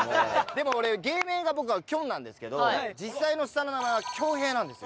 でも俺芸名が僕は「きょん」なんですけど実際の下の名前は恭兵なんです。